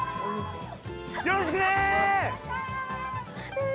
よろしくね！